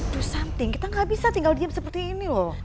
tuh santing kita gak bisa tinggal diam seperti ini loh